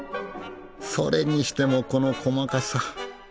それにしてもこの細かさ。